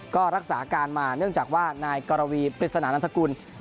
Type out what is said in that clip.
ก็รักษาการมาเนื่องจากว่านายกรวีปริศนานันทกุล